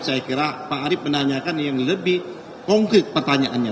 saya kira pak arief menanyakan yang lebih konkret pertanyaannya